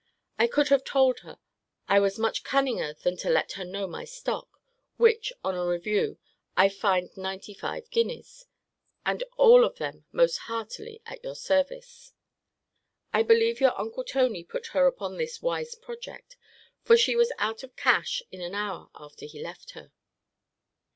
I could have told her, I was much cunninger than to let her know my stock; which, on a review, I find ninety five guineas; and all of them most heartily at your service. I believe your uncle Tony put her upon this wise project; for she was out of cash in an hour after he left her.